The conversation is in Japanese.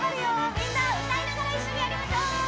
みんな歌いながら一緒にやりましょう！